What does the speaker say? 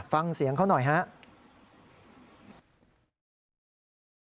ฟังเสียงเขาหน่อยครับ